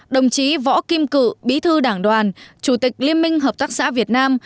đồng chí võ kim cự bí thư đảng đoàn chủ tịch liên minh hợp tác xã việt nam